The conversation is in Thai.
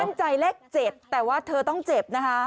มั่นใจเลข๗แต่ว่าเธอต้องเจ็บนะคะ